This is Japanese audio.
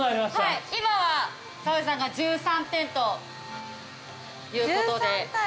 今は澤部さんが１３点ということで。